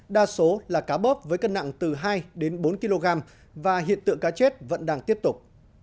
đa số là cá bớp với cân nặng từ hai đến bốn kg và hiện tượng cá chết vẫn đang tiếp tục